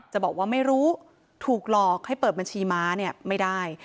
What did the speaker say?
จะบอกว่าไม่รู้ถูกหลอกให้เปิดบัญชีม้าเนี่ยไม่ได้